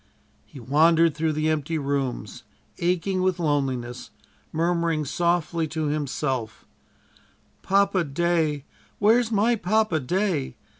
He wandered through the empty rooms, aching with loneliness, murmuring softly to himself: "Papa day, where's my Papa day.